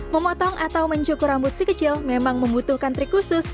memotong atau mencukur rambut si kecil memang membutuhkan trik khusus